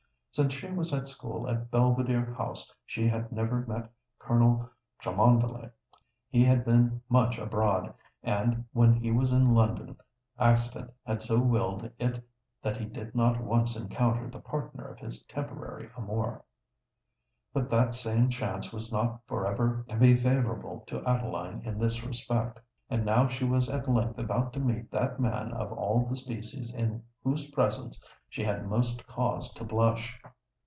Since she was at school at Belvidere House she had never met Colonel Cholmondeley. He had been much abroad; and, when he was in London, accident had so willed it that he did not once encounter the partner of his temporary amour. But that same chance was not for ever to be favourable to Adeline in this respect; and now she was at length about to meet that man of all the species in whose presence she had most cause to blush.